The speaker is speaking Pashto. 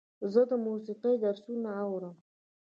زه د موسیقۍ درسونه اورم.